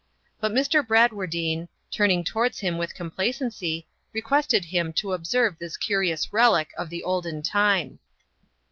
But Mr. Bradwardine, turning towards him with complacency, requested him to observe this curious relic of the olden time.